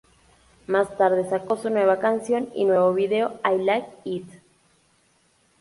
Más tarde, sacó su nueva canción y nuevo video "I like It".